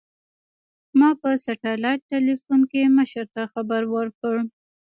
ما په سټلايټ ټېلفون کښې مشر ته خبر ورکړ.